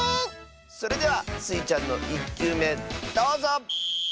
それではスイちゃんの１きゅうめどうぞ！